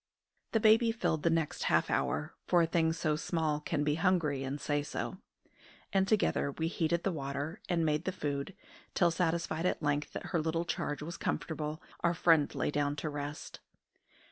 The baby filled the next half hour, for a thing so small can be hungry and say so; and together we heated the water and made the food, till, satisfied at length that her little charge was comfortable, our friend lay down to rest.